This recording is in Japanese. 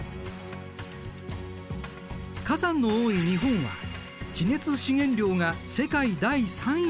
火山の多い日本は地熱資源量が世界第３位だといわれている。